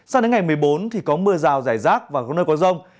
sao đến ngày một mươi bốn thì có mưa rào rải rác và có nơi có rông